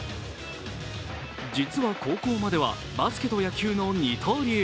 実は高校まではバスケと野球の二刀流。